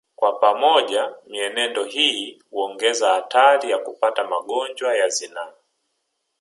Kwa pamoja mienendo hii huongeza hatari ya kupata magonjwa ya zinaa